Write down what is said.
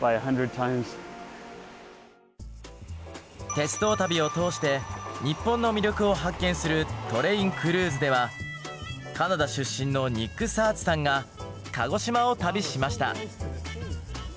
鉄道旅を通して日本の魅力を発見するカナダ出身のニック・サーズさんが鹿児島を旅しました。